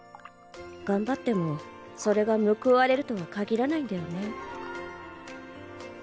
頑張ってもそれが報われるとは限らないんだよね。